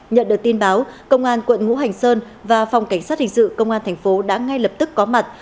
nhận được tin báo công an quận ngũ hành sơn và phòng cảnh sát hình sự công an thành phố đã ngay lập tức có mặt